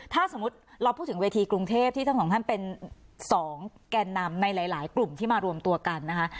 ถ้าสมมุติเราพูดถึงเวทีกรุงเทพที่ทั้งสองท่านเป็น๒แก่นำในหลายกลุ่มที่มารวมตัวกันนะคะ